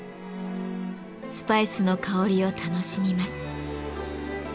スパイスの香りを楽しみます。